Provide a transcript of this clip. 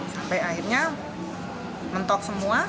sampai akhirnya mentok semua